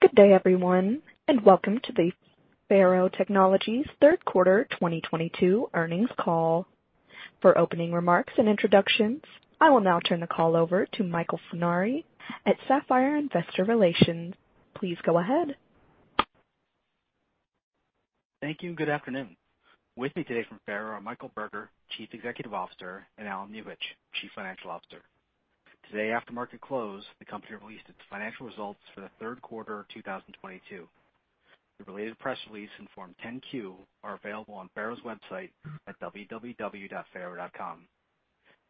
Good day, everyone, and welcome to the FARO Technologies third quarter 2022 earnings call. For opening remarks and introductions, I will now turn the call over to Michael Funari at Sapphire Investor Relations. Please go ahead. Thank you and good afternoon. With me today from FARO are Michael Burger, Chief Executive Officer, and Allen Muhich, Chief Financial Officer. Today after market close, the company released its financial results for the third quarter of 2022. The related press release and Form 10-Q are available on FARO's website at www.faro.com.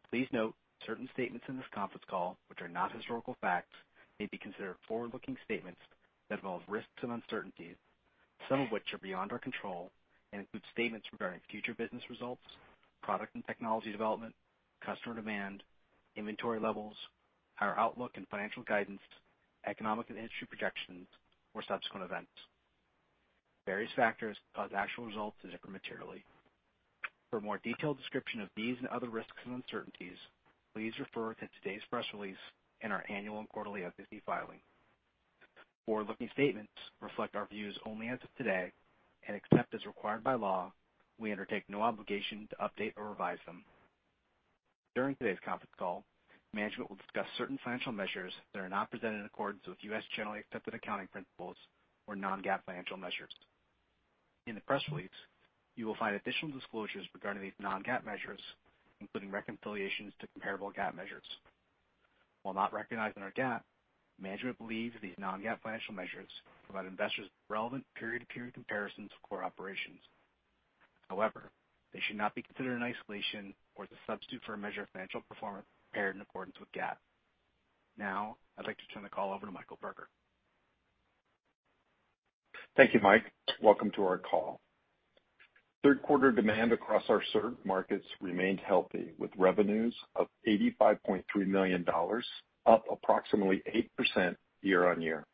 Please note certain statements in this conference call, which are not historical facts, may be considered forward-looking statements that involve risks and uncertainties, some of which are beyond our control, and include statements regarding future business results, product and technology development, customer demand, inventory levels, our outlook and financial guidance, economic and industry projections, or subsequent events. Various factors could cause actual results to differ materially. For a more detailed description of these and other risks and uncertainties, please refer to today's press release and our annual and quarterly SEC filings. Forward-looking statements reflect our views only as of today, and except as required by law, we undertake no obligation to update or revise them. During today's conference call, management will discuss certain financial measures that are not presented in accordance with U.S. generally accepted accounting principles or non-GAAP financial measures. In the press release, you will find additional disclosures regarding these non-GAAP measures, including reconciliations to comparable GAAP measures. While not recognized in our GAAP, management believes these non-GAAP financial measures provide investors relevant period-to-period comparisons to core operations. However, they should not be considered in isolation or as a substitute for a measure of financial performance prepared in accordance with GAAP. Now, I'd like to turn the call over to Michael Burger. Thank you, Mike. Welcome to our call. Third quarter demand across our served markets remained healthy, with revenues of $85.3 million, up approximately 8% year-on-year.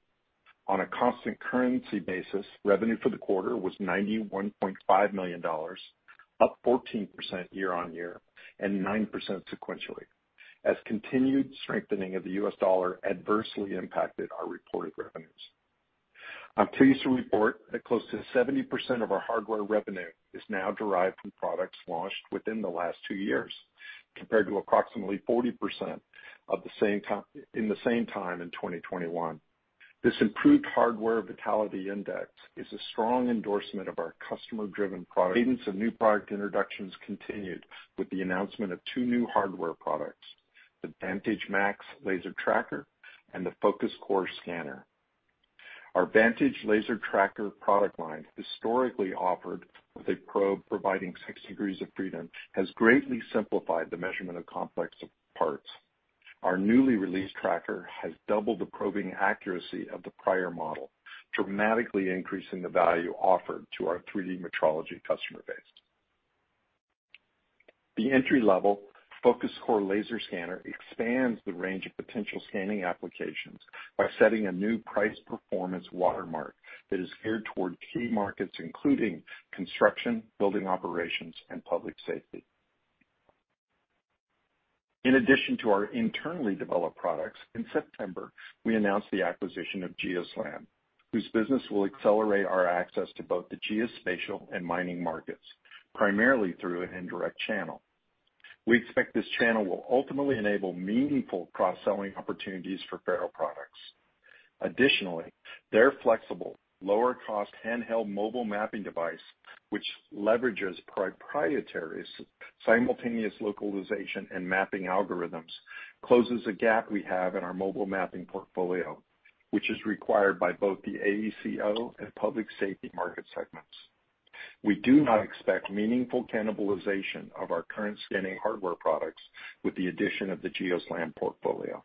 On a constant currency basis, revenue for the quarter was $91.5 million, up 14% year-on-year and 9% sequentially, as continued strengthening of the US dollar adversely impacted our reported revenues. I'm pleased to report that close to 70% of our hardware revenue is now derived from products launched within the last two years, compared to approximately 40% in the same time in 2021. This improved hardware vitality index is a strong endorsement of our customer-driven product. Cadence of new product introductions continued with the announcement of two new hardware products, the Vantage Max Laser Tracker and the Focus Core Laser Scanner. Our Vantage Laser Tracker product line, historically offered with a probe providing six degrees of freedom, has greatly simplified the measurement of complex parts. Our newly released tracker has doubled the probing accuracy of the prior model, dramatically increasing the value offered to our 3D metrology customer base. The entry-level Focus Core Laser Scanner expands the range of potential scanning applications by setting a new price performance watermark that is geared toward key markets, including construction, building operations, and public safety. In addition to our internally developed products, in September, we announced the acquisition of GeoSLAM, whose business will accelerate our access to both the geospatial and mining markets, primarily through an indirect channel. We expect this channel will ultimately enable meaningful cross-selling opportunities for FARO products. Additionally, their flexible, lower cost handheld mobile mapping device, which leverages proprietary simultaneous localization and mapping algorithms, closes a gap we have in our mobile mapping portfolio, which is required by both the AECO and public safety market segments. We do not expect meaningful cannibalization of our current scanning hardware products with the addition of the GeoSLAM portfolio.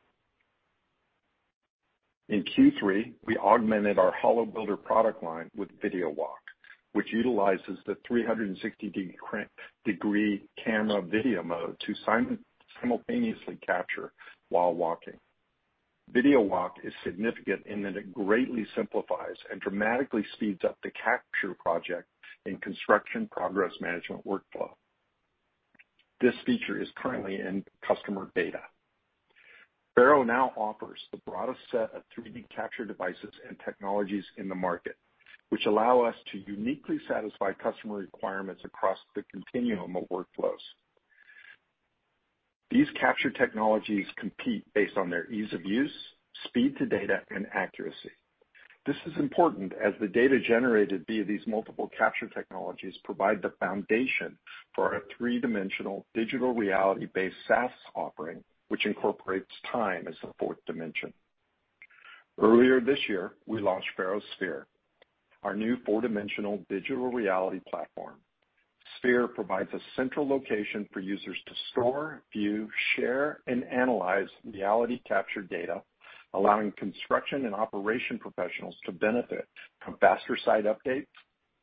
In Q3, we augmented our HoloBuilder product line with Video Walk, which utilizes the 360-degree camera video mode to simultaneously capture while walking. Video Walk is significant in that it greatly simplifies and dramatically speeds up the capture project in construction progress management workflow. This feature is currently in customer beta. FARO now offers the broadest set of 3D capture devices and technologies in the market, which allow us to uniquely satisfy customer requirements across the continuum of workflows. These capture technologies compete based on their ease of use, speed to data, and accuracy. This is important as the data generated via these multiple capture technologies provide the foundation for our three-dimensional digital reality-based SaaS offering, which incorporates time as the fourth dimension. Earlier this year, we launched FARO Sphere, our new four-dimensional digital reality platform. Sphere provides a central location for users to store, view, share, and analyze reality capture data, allowing construction and operation professionals to benefit from faster site updates,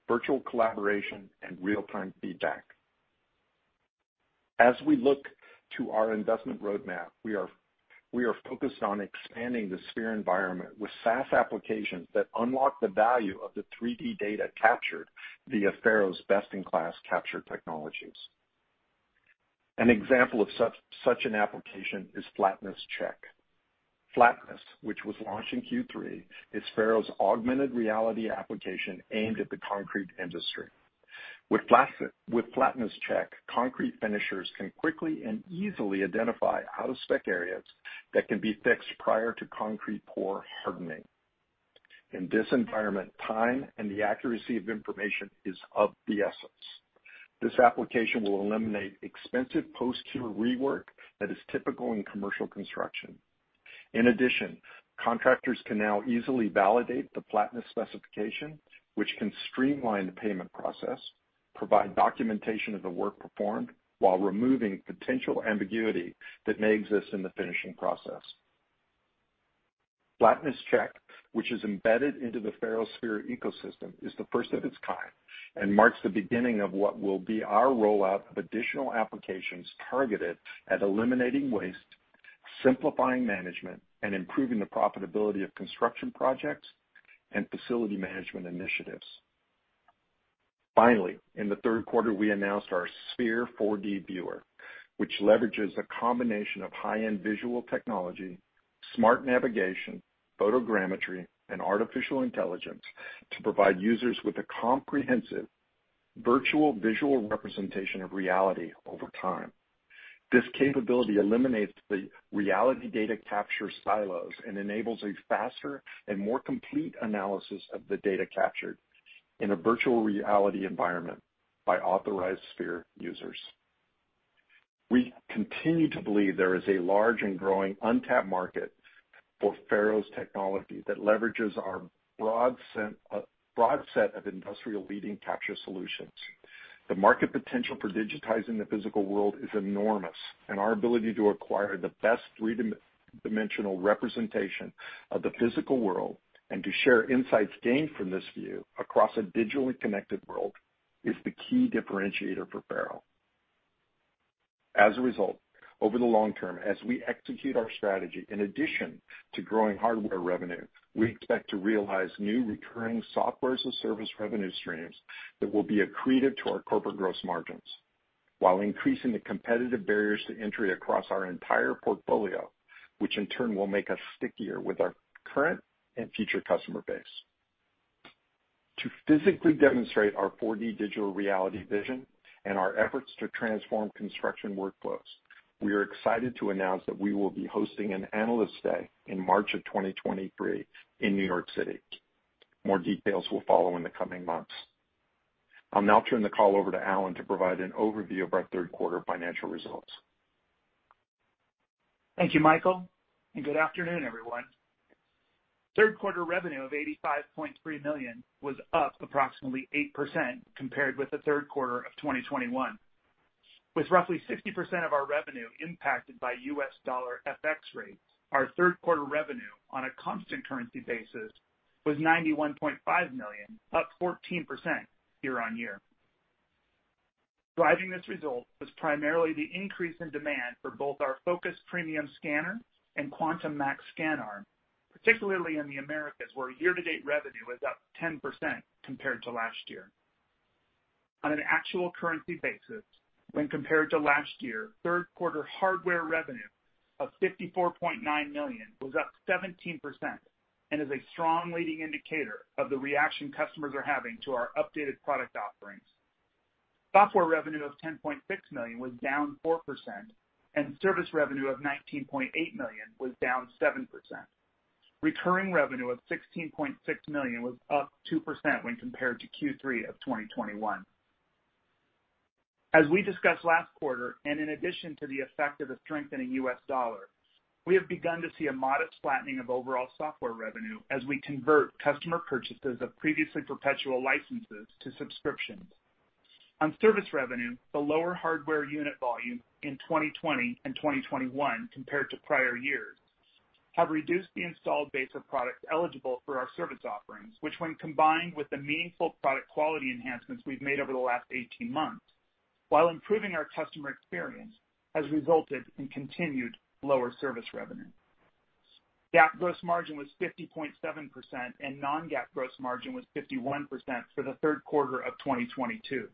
virtual collaboration, and real-time feedback. As we look to our investment roadmap, we are focused on expanding the Sphere environment with SaaS applications that unlock the value of the 3D data captured via FARO's best-in-class capture technologies. An example of such an application is Flatness Check. Flatness, which was launched in Q3, is FARO's augmented reality application aimed at the concrete industry. With Flatness Check, concrete finishers can quickly and easily identify out-of-spec areas that can be fixed prior to concrete pour hardening. In this environment, time and the accuracy of information is of the essence. This application will eliminate expensive post-cure rework that is typical in commercial construction. In addition, contractors can now easily validate the flatness specification, which can streamline the payment process, provide documentation of the work performed, while removing potential ambiguity that may exist in the finishing process. Flatness Check, which is embedded into the FARO Sphere ecosystem, is the first of its kind, and marks the beginning of what will be our rollout of additional applications targeted at eliminating waste, simplifying management, and improving the profitability of construction projects and facility management initiatives. Finally, in the third quarter, we announced our Sphere 4D Viewer, which leverages a combination of high-end visual technology, smart navigation, photogrammetry, and artificial intelligence to provide users with a comprehensive virtual visual representation of reality over time. This capability eliminates the reality data capture silos and enables a faster and more complete analysis of the data captured in a virtual reality environment by authorized Sphere users. We continue to believe there is a large and growing untapped market for FARO's technology that leverages our broad set of industry-leading capture solutions. The market potential for digitizing the physical world is enormous, and our ability to acquire the best three-dimensional representation of the physical world and to share insights gained from this view across a digitally connected world is the key differentiator for FARO. As a result, over the long term, as we execute our strategy, in addition to growing hardware revenue, we expect to realize new recurring software as a service revenue streams that will be accretive to our corporate gross margins, while increasing the competitive barriers to entry across our entire portfolio, which in turn will make us stickier with our current and future customer base. To physically demonstrate our 4D digital reality vision and our efforts to transform construction workflows, we are excited to announce that we will be hosting an Analyst Day in March of 2023 in New York City. More details will follow in the coming months. I'll now turn the call over to Allen to provide an overview of our third quarter financial results. Thank you, Michael, and good afternoon, everyone. Third quarter revenue of $85.3 million was up approximately 8% compared with the third quarter of 2021. With roughly 60% of our revenue impacted by US dollar FX rates, our third quarter revenue on a constant currency basis was $91.5 million, up 14% year-on-year. Driving this result was primarily the increase in demand for both our Focus Premium Scanner and Quantum Max ScanArm, particularly in the Americas, where year-to-date revenue is up 10% compared to last year. On an actual currency basis, when compared to last year, third quarter hardware revenue of $54.9 million was up 17% and is a strong leading indicator of the reaction customers are having to our updated product offerings. Software revenue of $10.6 million was down 4%, and service revenue of $19.8 million was down 7%. Recurring revenue of $16.6 million was up 2% when compared to Q3 of 2021. As we discussed last quarter, and in addition to the effect of the strengthening US dollar, we have begun to see a modest flattening of overall software revenue as we convert customer purchases of previously perpetual licenses to subscriptions. On service revenue, the lower hardware unit volume in 2020 and 2021 compared to prior years have reduced the installed base of products eligible for our service offerings, which when combined with the meaningful product quality enhancements we've made over the last 18 months, while improving our customer experience, has resulted in continued lower service revenue. GAAP gross margin was 50.7%, and non-GAAP gross margin was 51% for the third quarter of 2022.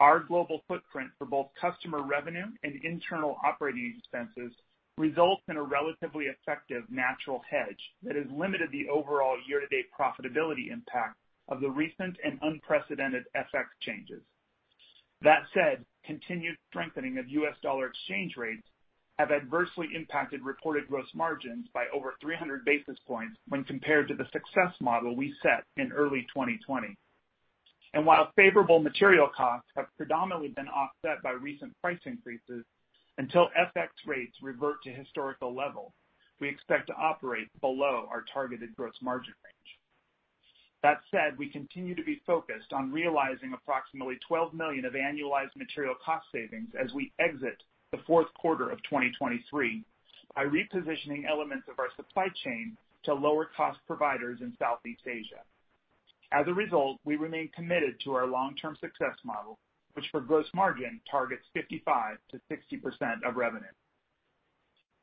Our global footprint for both customer revenue and internal operating expenses results in a relatively effective natural hedge that has limited the overall year-to-date profitability impact of the recent and unprecedented FX changes. That said, continued strengthening of US dollar exchange rates have adversely impacted reported gross margins by over 300 basis points when compared to the success model we set in early 2020. While favorable material costs have predominantly been offset by recent price increases, until FX rates revert to historical level, we expect to operate below our targeted gross margin range. That said, we continue to be focused on realizing approximately $12 million of annualized material cost savings as we exit the fourth quarter of 2023 by repositioning elements of our supply chain to lower-cost providers in Southeast Asia. As a result, we remain committed to our long-term success model, which for gross margin targets 55%-60% of revenue.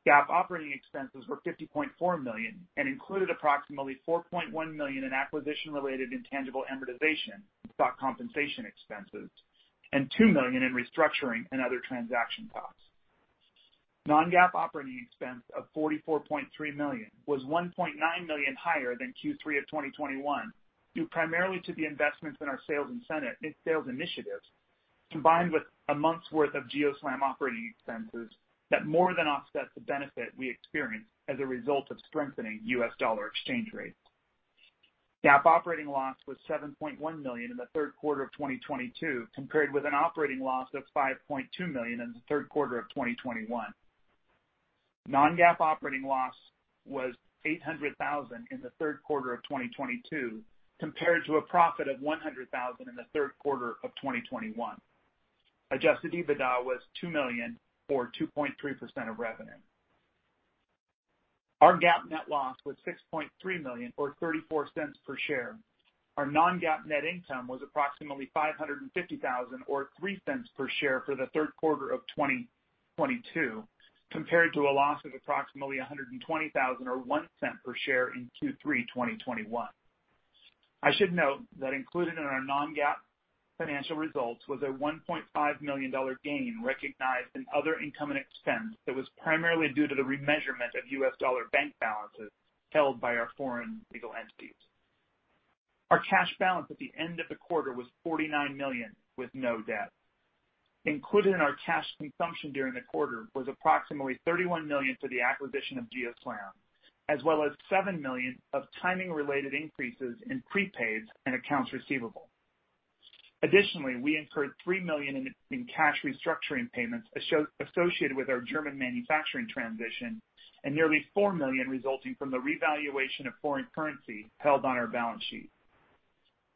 GAAP operating expenses were $50.4 million and included approximately $4.1 million in acquisition-related intangible amortization, stock compensation expenses, and $2 million in restructuring and other transaction costs. Non-GAAP operating expense of $44.3 million was $1.9 million higher than Q3 of 2021, due primarily to the investments in our sales incentive and sales initiatives, combined with a month's worth of GeoSLAM operating expenses that more than offset the benefit we experienced as a result of strengthening US dollar exchange rates. GAAP operating loss was $7.1 million in the third quarter of 2022, compared with an operating loss of $5.2 million in the third quarter of 2021. Non-GAAP operating loss was $800,000 in the third quarter of 2022, compared to a profit of $100,000 in the third quarter of 2021. Adjusted EBITDA was $2 million or 2.3% of revenue. Our GAAP net loss was $6.3 million or $0.34 per share. Our non-GAAP net income was approximately $550,000 or $0.03 per share for the third quarter of 2022, compared to a loss of approximately $120,000 or $0.01 per share in Q3 2021. I should note that included in our non-GAAP financial results was a $1.5 million gain recognized in other income and expense that was primarily due to the remeasurement of US dollar bank balances held by our foreign legal entities. Our cash balance at the end of the quarter was $49 million with no debt. Included in our cash consumption during the quarter was approximately $31 million for the acquisition of GeoSLAM, as well as $7 million of timing-related increases in prepaids and accounts receivable. Additionally, we incurred $3 million in cash restructuring payments associated with our German manufacturing transition and nearly $4 million resulting from the revaluation of foreign currency held on our balance sheet.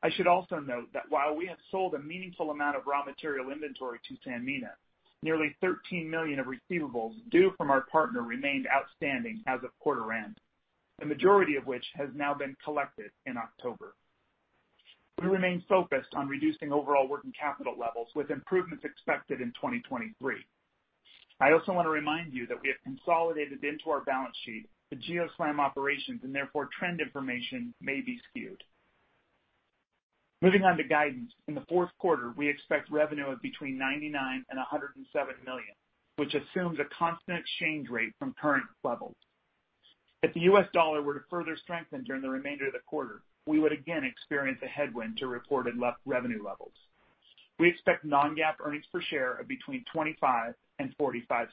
I should also note that while we have sold a meaningful amount of raw material inventory to Sanmina, nearly $13 million of receivables due from our partner remained outstanding as of quarter end, the majority of which has now been collected in October. We remain focused on reducing overall working capital levels, with improvements expected in 2023. I also wanna remind you that we have consolidated into our balance sheet the GeoSLAM operations, and therefore trend information may be skewed. Moving on to guidance. In the fourth quarter, we expect revenue of between $99 million and $107 million, which assumes a constant exchange rate from current levels. If the US dollar were to further strengthen during the remainder of the quarter, we would again experience a headwind to reported net revenue levels. We expect non-GAAP earnings per share of between $0.25 and $0.45.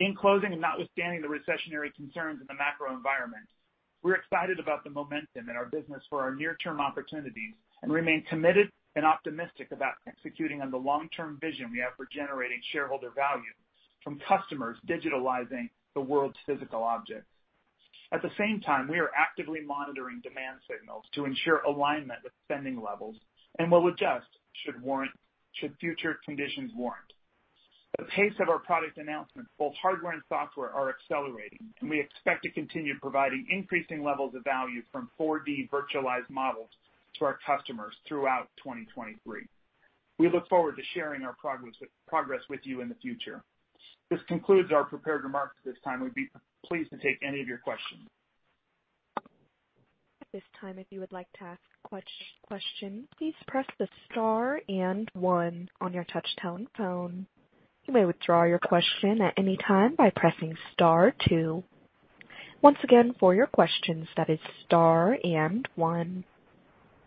In closing, and notwithstanding the recessionary concerns in the macro environment, we're excited about the momentum in our business for our near-term opportunities, and remain committed and optimistic about executing on the long-term vision we have for generating shareholder value from customers digitalizing the world's physical objects. At the same time, we are actively monitoring demand signals to ensure alignment with spending levels and will adjust should future conditions warrant. The pace of our product announcements, both hardware and software, are accelerating, and we expect to continue providing increasing levels of value from 4D virtualized models to our customers throughout 2023. We look forward to sharing our progress with you in the future. This concludes our prepared remarks. At this time, we'd be pleased to take any of your questions. At this time, if you would like to ask a question, please press the star and one on your touch-tone phone. You may withdraw your question at any time by pressing star two. Once again, for your questions, that is star and one.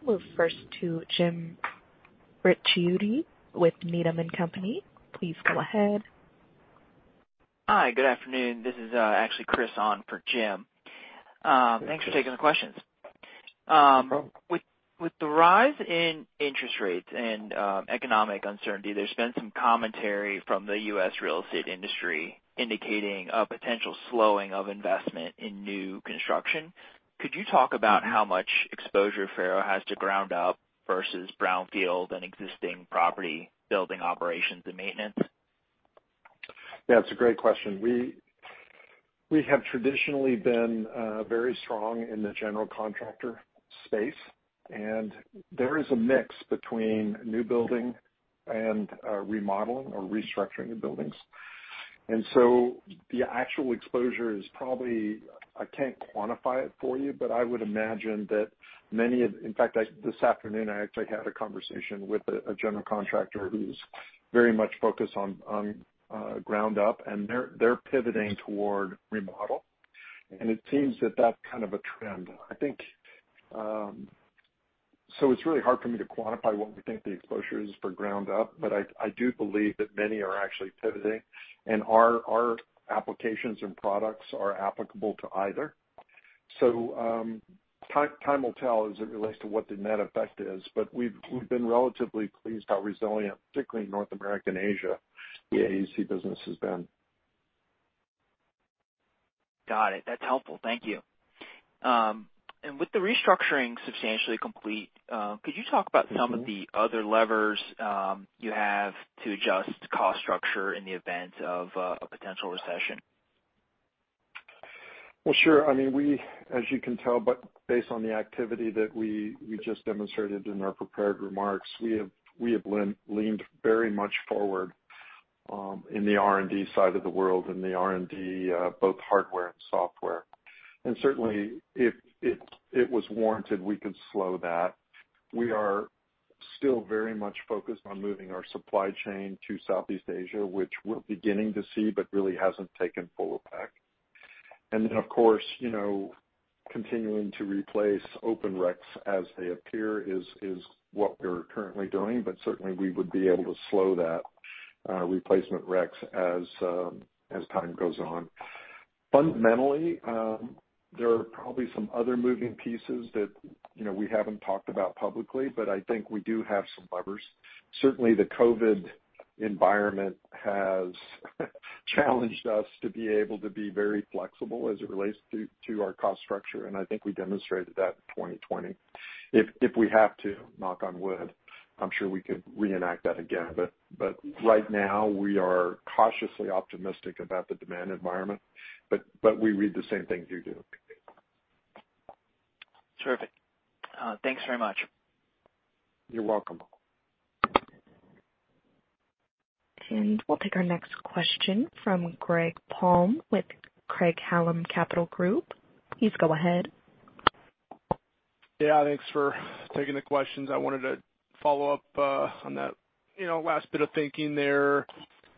We'll go first to Jim Ricchiuti with Needham & Company. Please go ahead. Hi. Good afternoon. This is actually Chris on for Jim. Thanks, Chris. Thanks for taking the questions. With the rise in interest rates and economic uncertainty, there's been some commentary from the U.S. real estate industry indicating a potential slowing of investment in new construction. Could you talk about how much exposure FARO has to ground up versus brownfield and existing property building operations and maintenance? Yeah, it's a great question. We have traditionally been very strong in the general contractor space, and there is a mix between new building and remodeling or restructuring of buildings. The actual exposure is probably. I can't quantify it for you, but I would imagine that many. In fact, this afternoon, I actually had a conversation with a general contractor who's very much focused on ground up, and they're pivoting toward remodel. It seems that that's kind of a trend. I think. It's really hard for me to quantify what we think the exposure is for ground up, but I do believe that many are actually pivoting, and our applications and products are applicable to either. Time will tell as it relates to what the net effect is. We've been relatively pleased how resilient, particularly in North America and Asia, the AEC business has been. Got it. That's helpful. Thank you. With the restructuring substantially complete, could you talk about some of the other levers you have to adjust cost structure in the event of a potential recession? Well, sure. I mean, as you can tell, based on the activity that we just demonstrated in our prepared remarks, we have leaned very much forward in the R&D side of the world, both hardware and software. Certainly if it was warranted, we could slow that. We are still very much focused on moving our supply chain to Southeast Asia, which we're beginning to see, but really hasn't taken full effect. Of course, you know, continuing to replace open recs as they appear is what we're currently doing. Certainly we would be able to slow that replacement recs as time goes on. Fundamentally, there are probably some other moving pieces that, you know, we haven't talked about publicly, but I think we do have some levers. Certainly, the COVID environment has challenged us to be able to be very flexible as it relates to our cost structure, and I think we demonstrated that in 2020. If we have to, knock on wood, I'm sure we could reenact that again. right now we are cautiously optimistic about the demand environment, but we read the same things you do. Terrific. Thanks very much. You're welcome. We'll take our next question from Greg Palm with Craig-Hallum Capital Group. Please go ahead. Yeah, thanks for taking the questions. I wanted to follow up on that, you know, last bit of thinking there.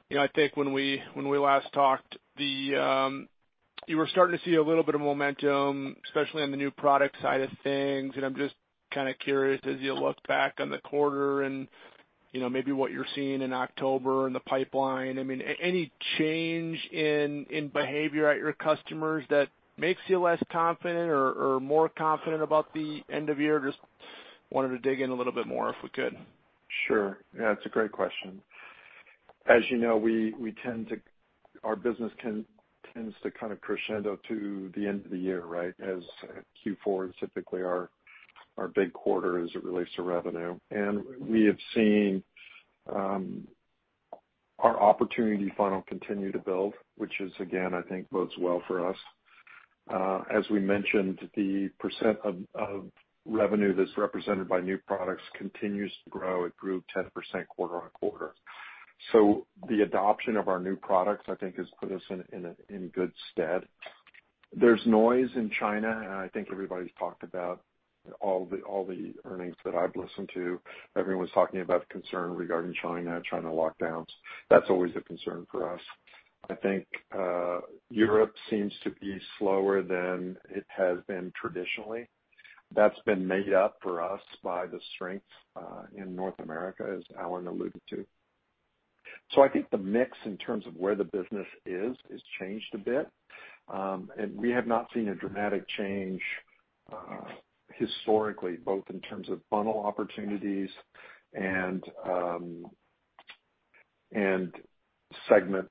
You know, I think when we last talked, you were starting to see a little bit of momentum, especially on the new product side of things. I'm just kinda curious, as you look back on the quarter and, you know, maybe what you're seeing in October in the pipeline, I mean, any change in behavior at your customers that makes you less confident or more confident about the end of year? Just wanted to dig in a little bit more if we could. Sure. Yeah, it's a great question. As you know, we tend to kind of crescendo to the end of the year, right? As Q4 is typically our big quarter as it relates to revenue. We have seen our opportunity funnel continue to build, which is again, I think bodes well for us. As we mentioned, the percent of revenue that's represented by new products continues to grow. It grew 10% quarter-over-quarter. So the adoption of our new products, I think has put us in good stead. There's noise in China, and I think everybody's talked about all the earnings that I've listened to. Everyone's talking about concern regarding China lockdowns. That's always a concern for us. I think Europe seems to be slower than it has been traditionally. That's been made up for us by the strength in North America, as Allen alluded to. I think the mix in terms of where the business is, has changed a bit. We have not seen a dramatic change historically, both in terms of funnel opportunities and segment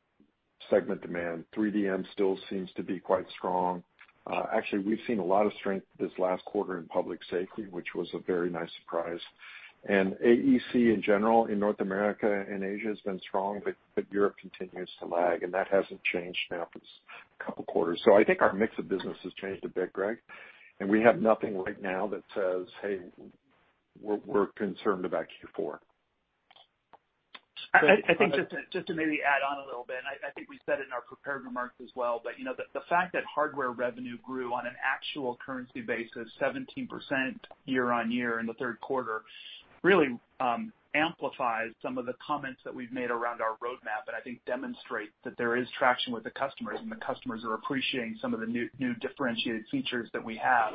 demand. 3DM still seems to be quite strong. Actually, we've seen a lot of strength this last quarter in public safety, which was a very nice surprise. AEC in general in North America and Asia has been strong, but Europe continues to lag, and that hasn't changed now for a couple quarters. I think our mix of business has changed a bit, Greg, and we have nothing right now that says, "Hey, we're concerned about Q4. I think just to maybe add on a little bit, I think we said in our prepared remarks as well, but you know, the fact that hardware revenue grew on an actual currency basis 17% year-over-year in the third quarter really amplifies some of the comments that we've made around our roadmap and I think demonstrate that there is traction with the customers, and the customers are appreciating some of the new differentiated features that we have.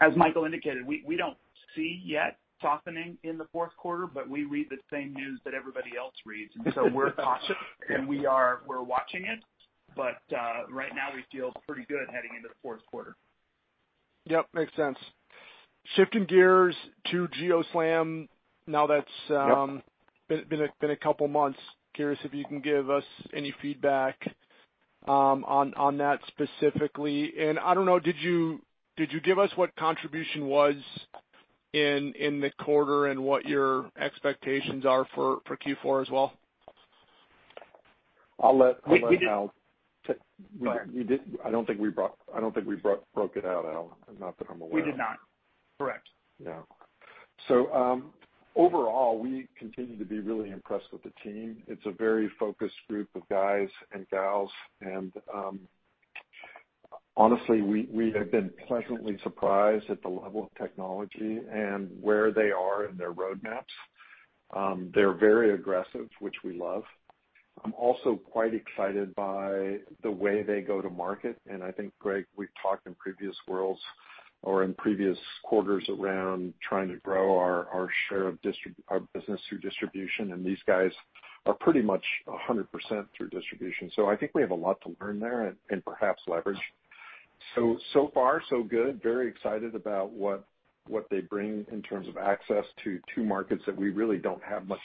As Michael indicated, we don't see yet softening in the fourth quarter, but we read the same news that everybody else reads. We're cautious and we're watching it. Right now we feel pretty good heading into the fourth quarter. Yep. Makes sense. Shifting gears to GeoSLAM. Now that's, Yep. It's been a couple months. Curious if you can give us any feedback on that specifically. I don't know, did you give us what contribution was in the quarter and what your expectations are for Q4 as well? I'll let Al- We did. Go ahead. We did. I don't think we broke it out, Al, not that I'm aware of. We did not. Correct. Yeah. Overall, we continue to be really impressed with the team. It's a very focused group of guys and gals, and, honestly, we have been pleasantly surprised at the level of technology and where they are in their roadmaps. They're very aggressive, which we love. I'm also quite excited by the way they go-to-market. I think, Greg, we've talked in previous worlds or in previous quarters around trying to grow our share of our business through distribution, and these guys are pretty much 100% through distribution. I think we have a lot to learn there and perhaps leverage. So far so good. Very excited about what they bring in terms of access to two markets that we really don't have much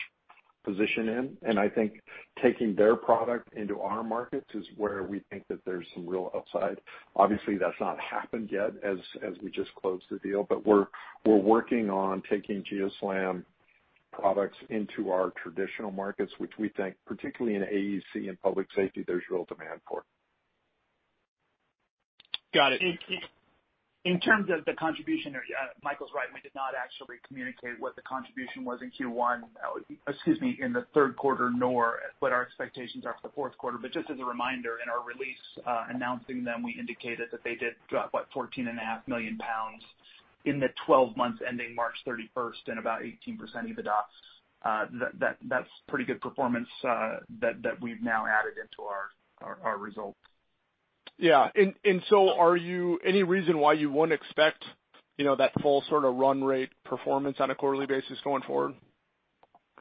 position in. I think taking their product into our markets is where we think that there's some real upside. Obviously, that's not happened yet as we just closed the deal, but we're working on taking GeoSLAM products into our traditional markets, which we think particularly in AEC and public safety, there's real demand for. Got it. In terms of the contribution there, Michael Burger's right, we did not actually communicate what the contribution was in the third quarter, nor what our expectations are for the fourth quarter. Just as a reminder, in our release announcing them, we indicated that they did about 14.5 million pounds in the 12 months ending March 31st and about 18% EBITDA margin. That's pretty good performance that we've now added into our results. Is there any reason why you wouldn't expect, you know, that full sort of run rate performance on a quarterly basis going forward?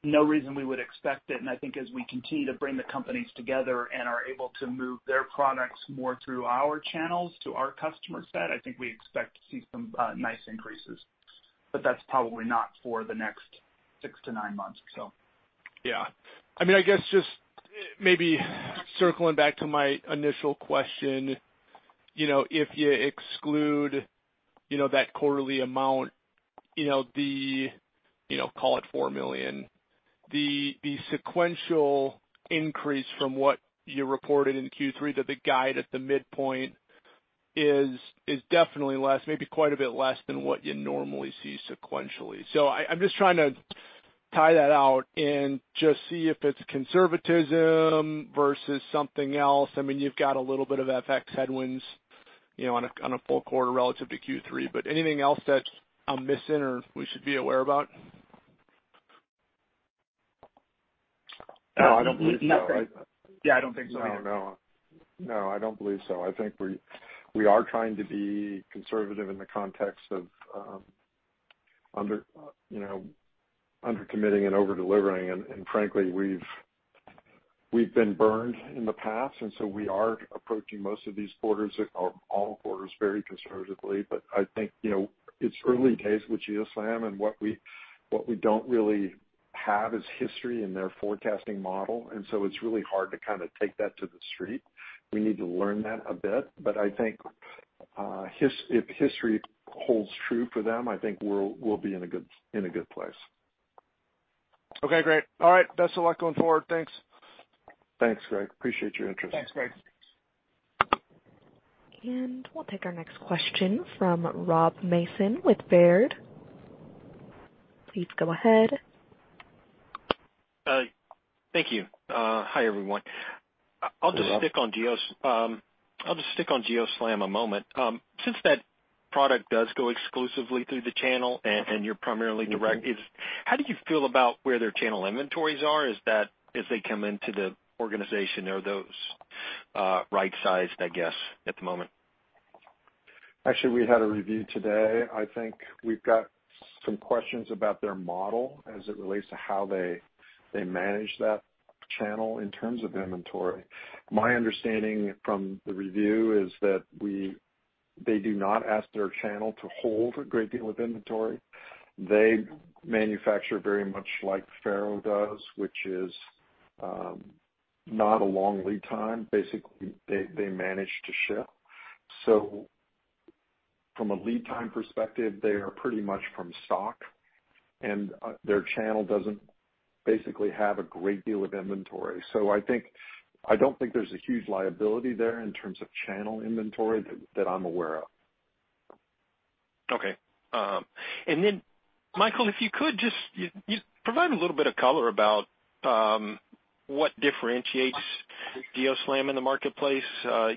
No reason we would expect it. I think as we continue to bring the companies together and are able to move their products more through our channels to our customer set, I think we expect to see some nice increases. That's probably not for the next six-nine months, so. Yeah. I mean, I guess just maybe circling back to my initial question. You know, if you exclude, you know, that quarterly amount, you know, call it $4 million. The sequential increase from what you reported in Q3 to the guide at the midpoint is definitely less, maybe quite a bit less than what you normally see sequentially. I'm just trying to tie that out and just see if it's conservatism versus something else. I mean, you've got a little bit of FX headwinds, you know, on a full quarter relative to Q3, but anything else that I'm missing or we should be aware about? No, I don't believe so. Nothing. Yeah, I don't think so either. No, no. No, I don't believe so. I think we are trying to be conservative in the context of under committing and over delivering. Frankly, we've been burned in the past, and so we are approaching most of these quarters or all quarters very conservatively. I think, you know, it's early days with GeoSLAM and what we don't really have is history in their forecasting model, and so it's really hard to kind of take that to the street. We need to learn that a bit. I think if history holds true for them, I think we'll be in a good place. Okay, great. All right. Best of luck going forward. Thanks. Thanks, Greg. Appreciate your interest. Thanks, Greg. We'll take our next question from Rob Mason with Baird. Please go ahead. Thank you. Hi, everyone. Hi, Rob. I'll just stick on GeoSLAM a moment. Since that product does go exclusively through the channel and you're primarily direct, is how do you feel about where their channel inventories are as they come into the organization? Are those right-sized, I guess, at the moment? Actually, we had a review today. I think we've got some questions about their model as it relates to how they manage that channel in terms of inventory. My understanding from the review is that they do not ask their channel to hold a great deal of inventory. They manufacture very much like FARO does, which is not a long lead time. Basically, they manage to ship. From a lead time perspective, they are pretty much from stock, and their channel doesn't basically have a great deal of inventory. I don't think there's a huge liability there in terms of channel inventory that I'm aware of. Okay. Michael, if you could just you provide a little bit of color about what differentiates GeoSLAM in the marketplace.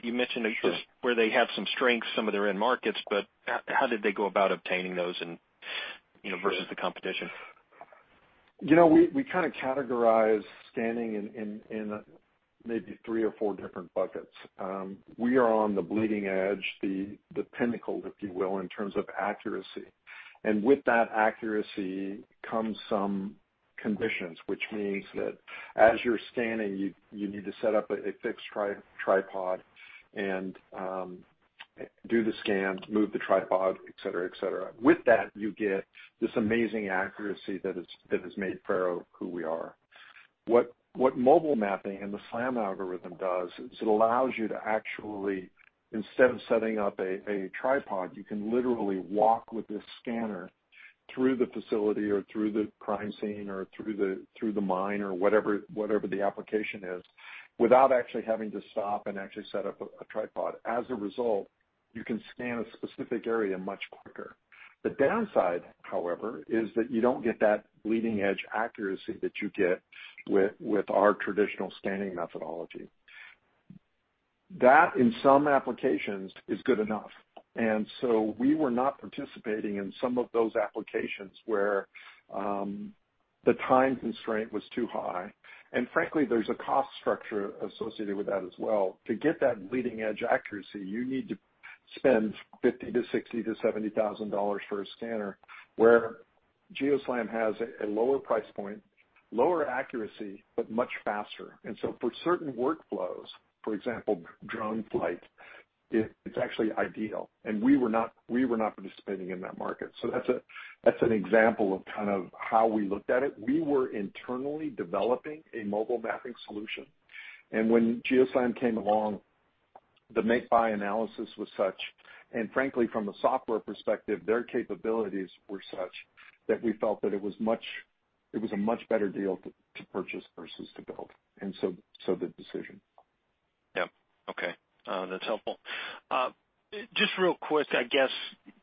You mentioned- Sure. where they have some strengths, some of their end markets, but how did they go about obtaining those and, you know, versus the competition? You know, we kind of categorize scanning in maybe three or four different buckets. We are on the bleeding edge, the pinnacle, if you will, in terms of accuracy. With that accuracy comes some conditions, which means that as you're scanning, you need to set up a fixed tripod and do the scan, move the tripod, et cetera. With that, you get this amazing accuracy that has made FARO who we are. What mobile mapping and the SLAM algorithm does is it allows you to actually, instead of setting up a tripod, you can literally walk with this scanner through the facility or through the crime scene or through the mine or whatever the application is, without actually having to stop and actually set up a tripod. As a result, you can scan a specific area much quicker. The downside, however, is that you don't get that bleeding edge accuracy that you get with our traditional scanning methodology. That, in some applications, is good enough. We were not participating in some of those applications where the time constraint was too high. Frankly, there's a cost structure associated with that as well. To get that leading edge accuracy, you need to spend $50,000 to $60,000 to $70,000 for a scanner, where GeoSLAM has a lower price point, lower accuracy, but much faster. For certain workflows, for example, drone flight, it's actually ideal. We were not participating in that market. That's an example of kind of how we looked at it. We were internally developing a mobile mapping solution. When GeoSLAM came along, the make-buy analysis was such, and frankly, from a software perspective, their capabilities were such that we felt that it was a much better deal to purchase versus to build. So the decision. Yeah. Okay. That's helpful. Just real quick, I guess,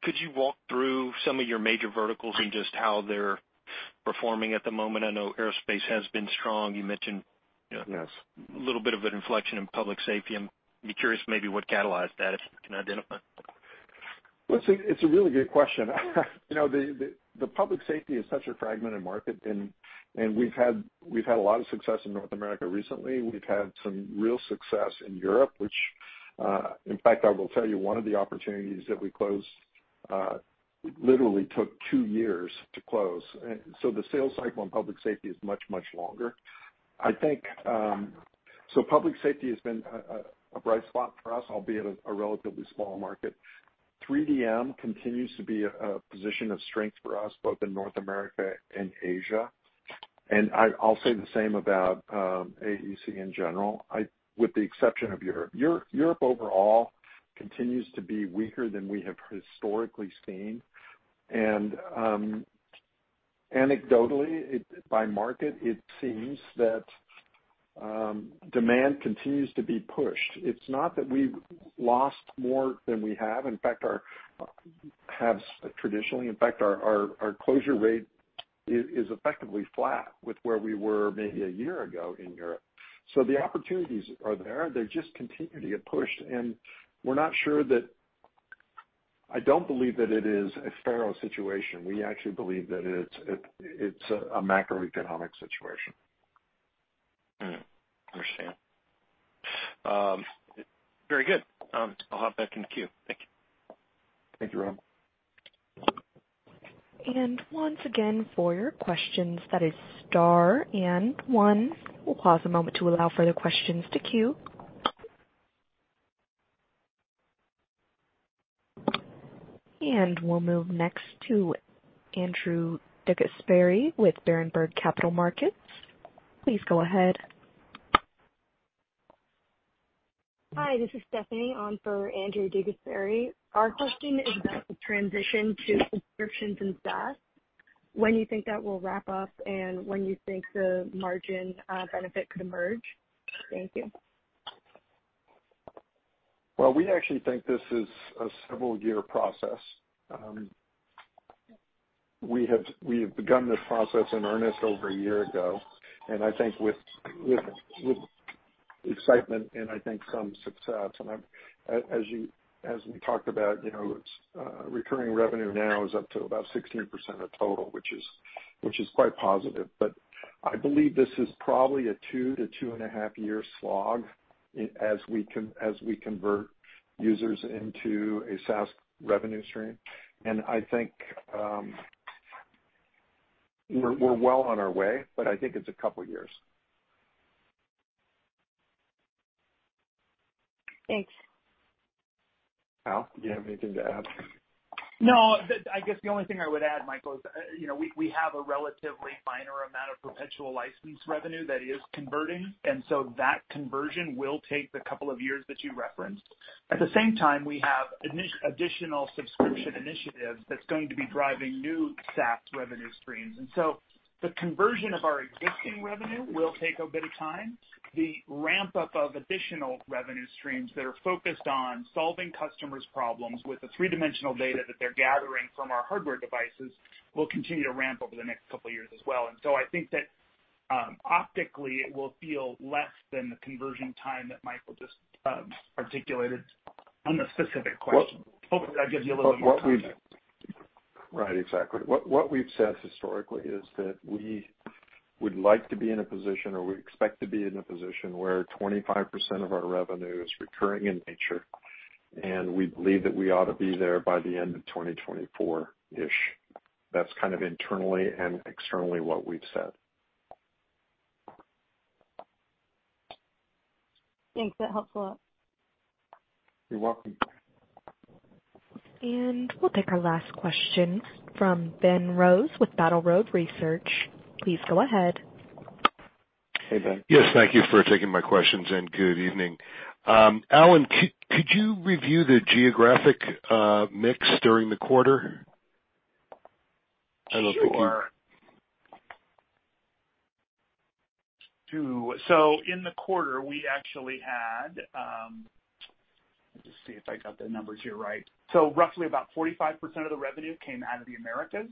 could you walk through some of your major verticals and just how they're performing at the moment? I know aerospace has been strong. You mentioned. Yes. A little bit of an inflection in public safety. I'd be curious maybe what catalyzed that, if you can identify. Well, it's a really good question. You know, the public safety is such a fragmented market and we've had a lot of success in North America recently. We've had some real success in Europe, which, in fact, I will tell you one of the opportunities that we closed literally took two years to close. The sales cycle on public safety is much longer. I think so public safety has been a bright spot for us, albeit a relatively small market. 3DM continues to be a position of strength for us, both in North America and Asia. I'll say the same about AEC in general, with the exception of Europe. Europe overall continues to be weaker than we have historically seen. Anecdotally, by market, it seems that demand continues to be pushed. It's not that we've lost more than we have. In fact, our sales have traditionally, in fact, our closure rate is effectively flat with where we were maybe a year ago in Europe. The opportunities are there. They just continue to get pushed, and we're not sure that. I don't believe that it is a FARO situation. We actually believe that it's a macroeconomic situation. Understand. Very good. I'll hop back in the queue. Thank you. Thank you, Rob. Once again for your questions, that is star and one. We'll pause a moment to allow further questions to queue. We'll move next to Andrew DeGasperi with Berenberg Capital Markets. Please go ahead. Hi, this is Stephanie on for Andrew DeGasperi. Our question is about the transition to subscriptions and SaaS, when you think that will wrap up and when you think the margin benefit could emerge. Thank you. Well, we actually think this is a several-year process. We have begun this process in earnest over a year ago, and I think with excitement and I think some success, and as we talked about, you know, it's recurring revenue now is up to about 16% of total, which is quite positive. I believe this is probably a 2-2.5 year slog as we convert users into a SaaS revenue stream. I think we're well on our way, but I think it's a couple years. Thanks. Al, do you have anything to add? No. The, I guess the only thing I would add, Michael, is, you know, we have a relatively minor amount of perpetual license revenue that is converting, and so that conversion will take the couple of years that you referenced. At the same time, we have additional subscription initiatives that's going to be driving new SaaS revenue streams. The conversion of our existing revenue will take a bit of time. The ramp up of additional revenue streams that are focused on solving customers' problems with the three-dimensional data that they're gathering from our hardware devices will continue to ramp over the next couple of years as well. I think that, optically it will feel less than the conversion time that Michael just articulated on the specific question. Hopefully that gives you a little more context. Right. Exactly. What we've said historically is that we would like to be in a position or we expect to be in a position where 25% of our revenue is recurring in nature, and we believe that we ought to be there by the end of 2024-ish. That's kind of internally and externally what we've said. Thanks. That helps a lot. You're welcome. We'll take our last question from Ben Rose with Battle Road Research. Please go ahead. Hey, Ben. Yes, thank you for taking my questions and good evening. Allen, could you review the geographic mix during the quarter? I don't know if you- Sure. In the quarter, we actually had, let me just see if I got the numbers here right. Roughly about 45% of the revenue came out of the Americas.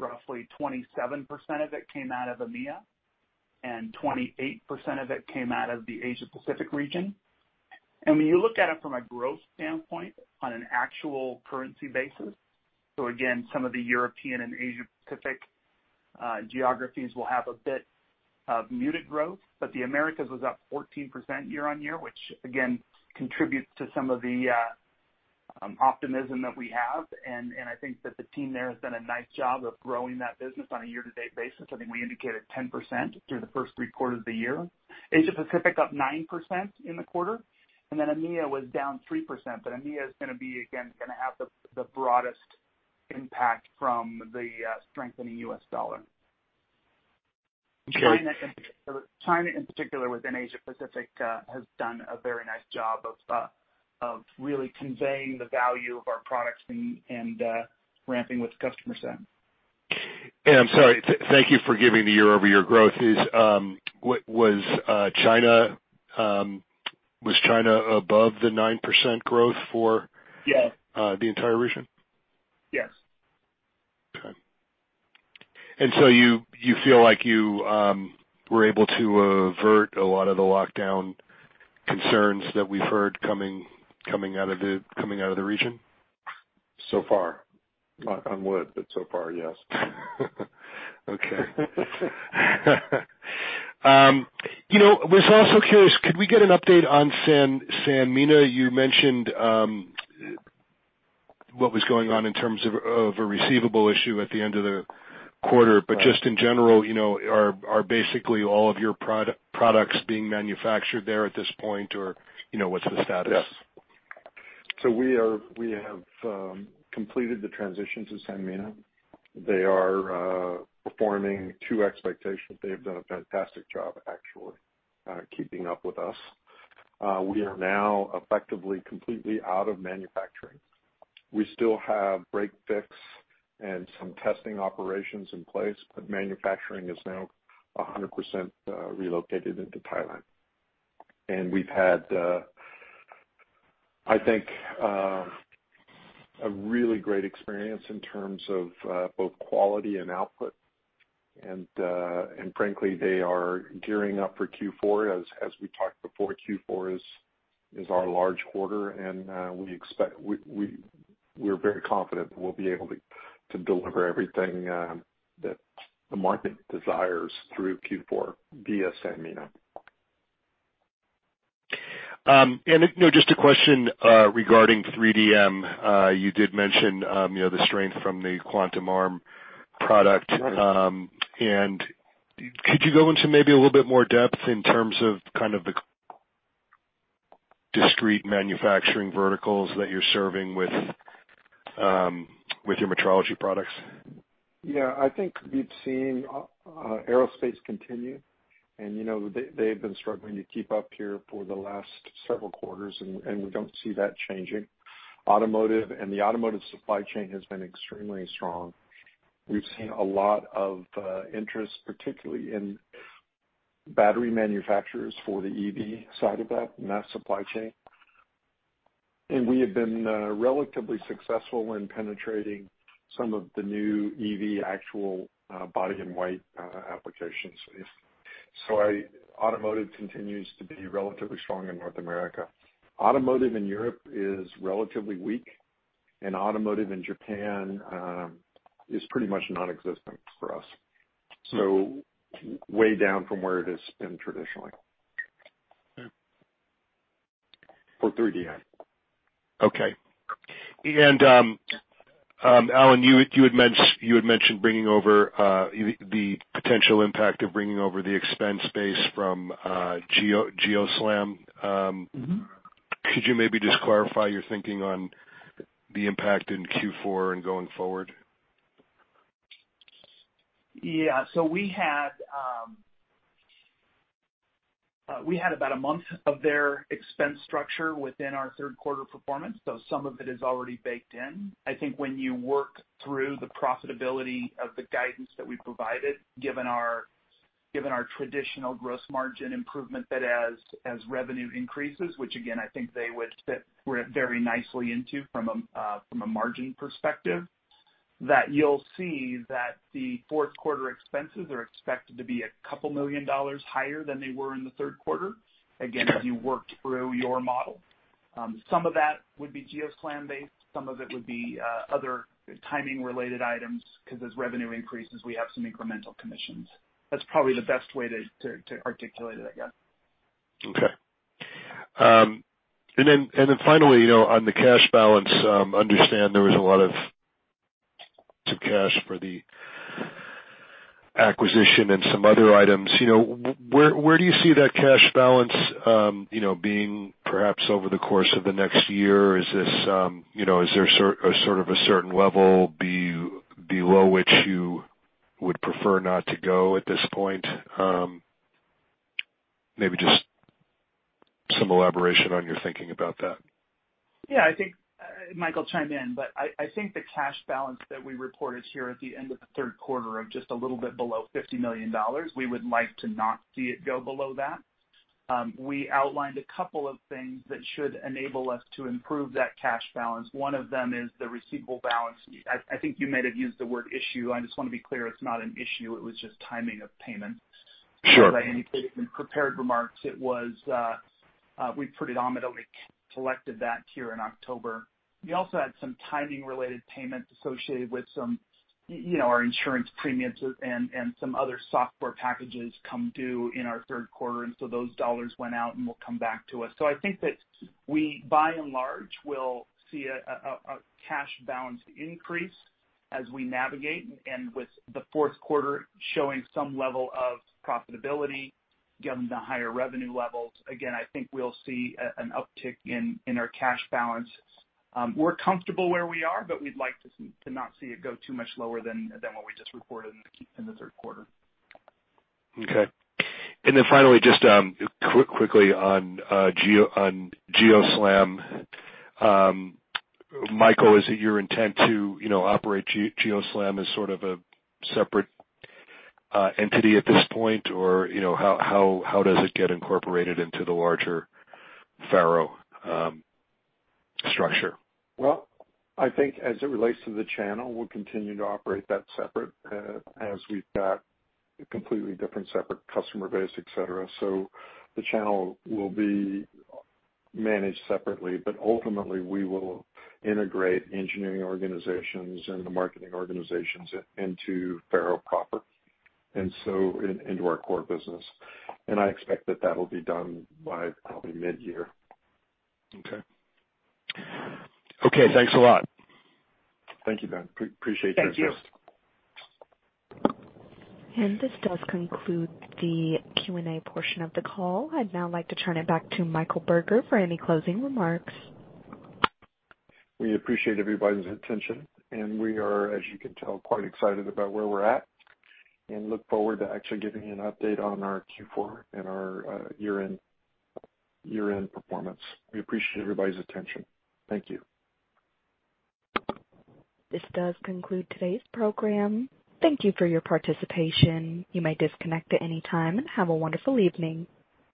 Roughly 27% of it came out of EMEA, and 28% of it came out of the Asia Pacific region. When you look at it from a growth standpoint on an actual currency basis, so again, some of the European and Asia Pacific geographies will have a bit of muted growth, but the Americas was up 14% year-on-year, which again contributes to some of the optimism that we have, and I think that the team there has done a nice job of growing that business on a year-to-date basis. I think we indicated 10% through the first three quarters of the year. Asia Pacific up 9% in the quarter, and then EMEA was down 3%, but EMEA is gonna be, again, gonna have the broadest impact from the strengthening US dollar. China in particular within Asia Pacific has done a very nice job of really conveying the value of our products and ramping with customer set. I'm sorry. Thank you for giving the year-over-year growth. Was China above the 9% growth for- Yes the entire region? Yes. Okay. You feel like you were able to avert a lot of the lockdown concerns that we've heard coming out of the region? So far. Knock on wood, but so far, yes. Okay. You know, was also curious, could we get an update on Sanmina? You mentioned what was going on in terms of a receivable issue at the end of the quarter. Right. Just in general, you know, are basically all of your products being manufactured there at this point? Or, you know, what's the status? Yes. We have completed the transition to Sanmina. They are performing to expectations. They have done a fantastic job, actually, keeping up with us. We are now effectively completely out of manufacturing. We still have break fix and some testing operations in place, but manufacturing is now 100% relocated into Thailand. We've had, I think, a really great experience in terms of both quality and output. Frankly, they are gearing up for Q4. As we talked before, Q4 is our large quarter and we're very confident that we'll be able to deliver everything that the market desires through Q4 via Sanmina. You know, just a question regarding 3DM. You did mention, you know, the strength from the Quantum Arm product. Could you go into maybe a little bit more depth in terms of kind of the discrete manufacturing verticals that you're serving with your metrology products? Yeah. I think we've seen aerospace continue. You know, they've been struggling to keep up here for the last several quarters, and we don't see that changing. Automotive and the automotive supply chain has been extremely strong. We've seen a lot of interest, particularly in battery manufacturers for the EV side of that, and that supply chain. We have been relatively successful in penetrating some of the new EV actual body-in-white applications. Automotive continues to be relatively strong in North America. Automotive in Europe is relatively weak, and automotive in Japan is pretty much non-existent for us. Way down from where it has been traditionally. Hmm. For 3DM. Okay. Allen, you had mentioned bringing over the potential impact of bringing over the expense base from GeoSLAM. Mm-hmm Could you maybe just clarify your thinking on the impact in Q4 and going forward? Yeah. We had about a month of their expense structure within our third quarter performance, so some of it is already baked in. I think when you work through the profitability of the guidance that we provided, given our traditional gross margin improvement, that as revenue increases, which again, I think they would fit very nicely into from a margin perspective, that you'll see that the fourth quarter expenses are expected to be couple million dollar higher than they were in the third quarter. Again, if you worked through your model. Some of that would be GeoSLAM based, some of it would be other timing related items, 'cause as revenue increases, we have some incremental commissions. That's probably the best way to articulate it, I guess. Okay. Finally, you know, on the cash balance, understand there was a lot of some cash for the acquisition and some other items. You know, where do you see that cash balance, you know, being perhaps over the course of the next year? You know, is there sort of a certain level below which you would prefer not to go at this point? Maybe just some elaboration on your thinking about that. Yeah, I think Michael chimed in, but I think the cash balance that we reported here at the end of the third quarter of just a little bit below $50 million, we would like to not see it go below that. We outlined a couple of things that should enable us to improve that cash balance. One of them is the receivable balance. I think you may have used the word issue. I just wanna be clear, it's not an issue, it was just timing of payments. Sure. As I indicated in prepared remarks, it was we predominantly collected that here in October. We also had some timing related payments associated with some you know, our insurance premiums and some other software packages come due in our third quarter, and so those dollars went out and will come back to us. I think that we by and large will see a cash balance increase as we navigate. With the fourth quarter showing some level of profitability given the higher revenue levels, again, I think we'll see an uptick in our cash balance. We're comfortable where we are, but we'd like to not see it go too much lower than what we just reported in the third quarter. Okay. Finally, just quickly on GeoSLAM. Michael, is it your intent to, you know, operate GeoSLAM as sort of a separate entity at this point? Or, you know, how does it get incorporated into the larger FARO structure? Well, I think as it relates to the channel, we'll continue to operate that separate, as we've got a completely different separate customer base, et cetera. The channel will be managed separately, but ultimately we will integrate engineering organizations and the marketing organizations into FARO proper, and so into our core business. I expect that that'll be done by probably midyear. Okay. Okay, thanks a lot. Thank you, Ben. Appreciate the interest. Thank you. This does conclude the Q&A portion of the call. I'd now like to turn it back to Michael Burger for any closing remarks. We appreciate everybody's attention, and we are, as you can tell, quite excited about where we're at, and look forward to actually giving you an update on our Q4 and our year-end performance. We appreciate everybody's attention. Thank you. This does conclude today's program. Thank you for your participation. You may disconnect at any time, and have a wonderful evening.